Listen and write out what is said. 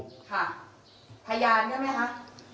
ค่ะพยานใช่ไหมคะ